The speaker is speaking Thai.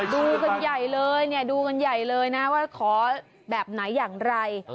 ดูกันใหญ่เลยนะว่าขอแบบไหนอย่างไร